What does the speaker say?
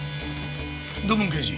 土門刑事。